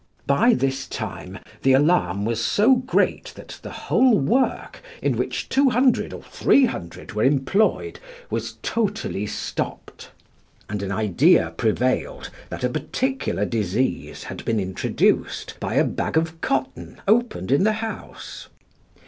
By this time the alarm was so great that the whole work, in which 200 or 300 were employed, was totally stopped, and an idea prevailed that a particular disease had been introduced by a bag of cotton opened in the house.